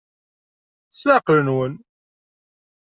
S leɛqel-nwen.